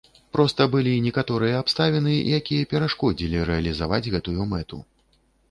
Проста былі некаторыя абставіны, якія перашкодзілі рэалізаваць гэтую мэту.